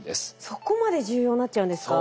そこまで重要になっちゃうんですか？